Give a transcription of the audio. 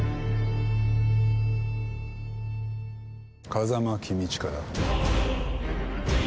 「風間公親だ」